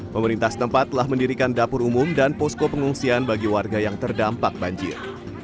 pemerintah setempat telah mendirikan dapur umum dan posko pengungsian bagi warga yang terdampak banjir